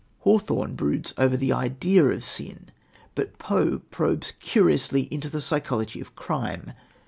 Hawthorne broods over the idea of sin, but Poe probes curiously into the psychology of crime.